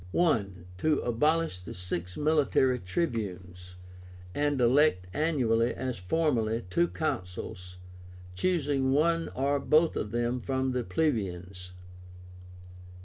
I. To abolish the six military tribunes, and elect annually, as formerly, two Consuls, choosing one or both of them from the plebeians.